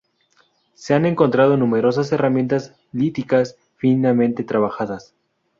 Se han encontrado numerosas herramientas líticas finamente trabajadas.